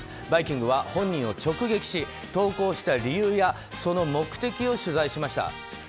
「バイキング」は本人を直撃し投稿した理由やその目的を取材しました。